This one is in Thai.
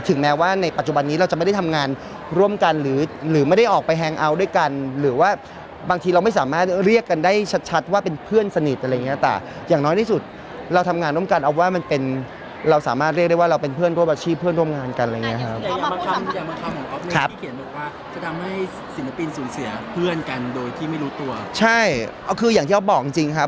แม้ว่าในปัจจุบันนี้เราจะไม่ได้ทำงานร่วมกันหรือหรือไม่ได้ออกไปแฮงเอาท์ด้วยกันหรือว่าบางทีเราไม่สามารถเรียกกันได้ชัดชัดว่าเป็นเพื่อนสนิทอะไรอย่างเงี้ยแต่อย่างน้อยที่สุดเราทำงานร่วมกันเอาว่ามันเป็นเราสามารถเรียกได้ว่าเราเป็นเพื่อนร่วมอาชีพเพื่อนร่วมงานกันอะไรอย่างเงี้ครับคืออย่างที่ออฟบอกจริงจริงครับ